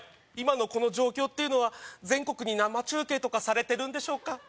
今のこの状況っていうのは全国に生中継とかされてるんでしょうか？